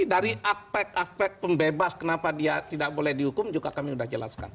dari aspek aspek pembebas kenapa dia tidak boleh dihukum juga kami sudah jelaskan